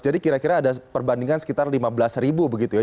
jadi kira kira ada perbandingan sekitar rp lima belas begitu ya